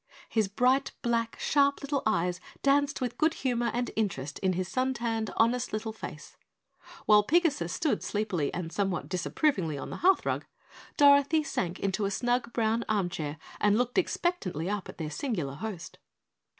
His bright, black, sharp little eyes danced with good humor and interest in his sun tanned, honest little face. While Pigasus stood sleepily and somewhat disapprovingly on the hearth rug, Dorothy sank into a snug brown arm chair and looked expectantly up at their singular host.